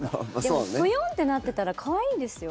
でも、ぷよんってなってたら可愛いんですよ。